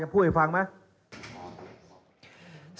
พูดให้ฟังไหม